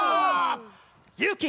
「勇気」。